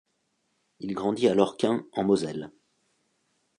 Il grandit à Lorquin, en Moselle.